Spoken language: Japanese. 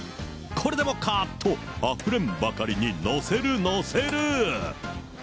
これでもかとあふれんばかりに載せる、載せる。